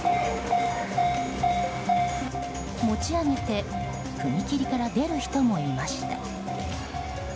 持ち上げて踏切から出る人もいました。